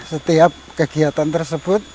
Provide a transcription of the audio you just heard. setiap kegiatan tersebut